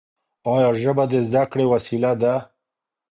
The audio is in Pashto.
ایا ژبه د زده کړې وسیله ده؟